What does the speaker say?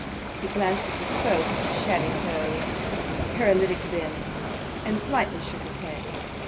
He glanced, as he spoke, at his shabby clothes and paralytic limb, and slightly shook his head.